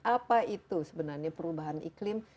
apa itu sebenarnya perubahan iklim